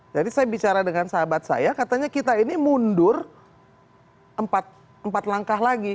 jadi saya bicara dengan sahabat saya katanya kita ini mundur empat langkah lagi